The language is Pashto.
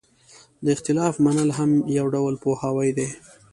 د اختلاف منل هم یو ډول پوهاوی دی.